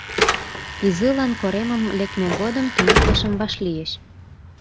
Изылан коремым лекме годым туныктышым вашлийыч.